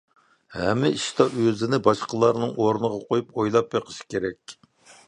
ھەممە ئىشتا ئۆزىنى باشقىلارنىڭ ئورنىغا قويۇپ ئويلاپ بېقىش كېرەك.